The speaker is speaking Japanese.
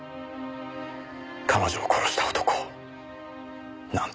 彼女を殺した男をなんとしても。